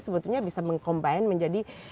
sebetulnya bisa mengkombinasi menjadi